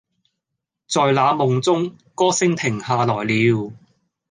在那夢中，歌聲停下來了